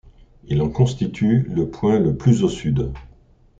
Il en constitue le point le plus au sud.